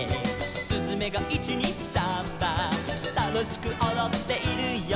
「すずめが１・２・サンバ」「楽しくおどっているよ」